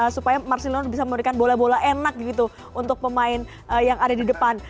supaya marcelino bisa memberikan bola bola enak gitu untuk pemain yang ada di depan